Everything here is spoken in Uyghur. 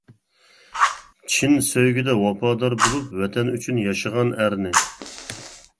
چىن سۆيگۈدە ۋاپادار بولۇپ، ۋەتەن ئۈچۈن ياشىغان ئەرنى.